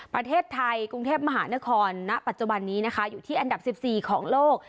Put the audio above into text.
ประเทศไทยกรุงเทพมหานครณปัจจุบันนี้นะคะอยู่ที่อันดับ๑๔ของโลก